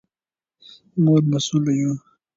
موږ مسوول یو.